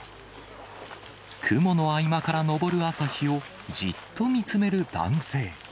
雲の合間から昇る朝日をじっと見つめる男性。